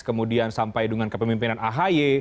kemudian sampai dengan kepemimpinan ahy